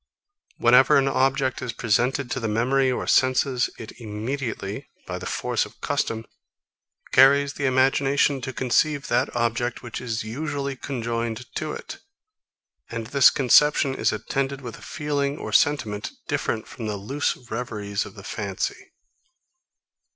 Whenever any object is presented to the memory or senses, it immediately, by the force of custom, carries the imagination to conceive that object, which is usually conjoined to it; and this conception is attended with a feeling or sentiment, different from the loose reveries of the fancy.